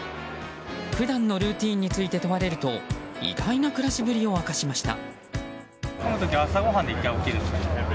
普段のルーティンについて問われると意外な暮らしぶりを明かしました。